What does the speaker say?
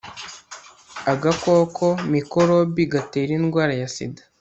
agakoko mikorobi gatera indwara ya sida